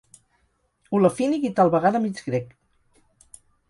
Olefínic i tal vegada mig grec.